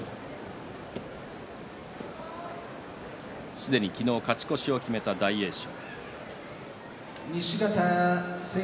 すでに昨日、勝ち越しを決めた大栄翔。